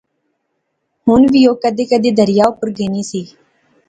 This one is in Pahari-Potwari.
ہن وی او کیدے کیدے دریا اپر گینی سی